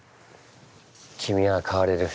君は変われる。